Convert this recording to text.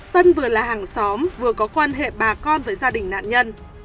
tân vừa là hàng xóm vừa có quan hệ bà con với gia đình nạn nhân